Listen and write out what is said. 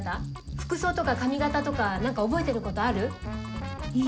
服装と髪形とかなんか覚えてることある？